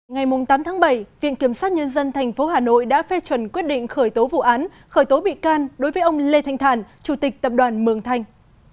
ngày tám tháng bảy viện kiểm sát nhân dân tp hà nội đã phê chuẩn quyết định khởi tố vụ án khởi tố bị can đối với ông lê thanh thản chủ tịch tập đoàn mường thanh